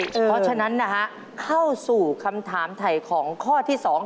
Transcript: เพราะฉะนั้นนะฮะเข้าสู่คำถามถ่ายของข้อที่๒